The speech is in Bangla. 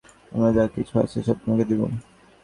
আমার যা কিছু আছে সব তোমাকে দিব।